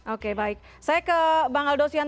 oke baik saya ke bang aldosian